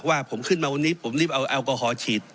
ว่าผมขึ้นมาวันนี้ผมรีบเอาแอลกอฮอลฉีด